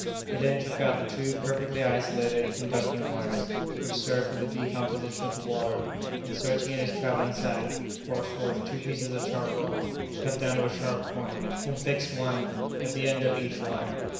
He then took out the two perfectly isolated conducting wires, which served for the decomposition of the water, and, searching in his travelling sack, brought forth two pieces of charcoal, cut down to a sharp point, and fixed one at the end of each wire.